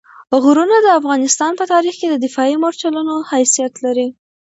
غرونه د افغانستان په تاریخ کې د دفاعي مورچلونو حیثیت لري.